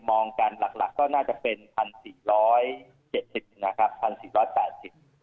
มองกันหลักหลักก็น่าจะเป็นพันสี่ร้อยเจ็ดสิบนะครับพันสี่ร้อยแปดสิบ